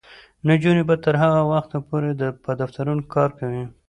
نجونې به تر هغه وخته پورې په دفترونو کې کار کوي.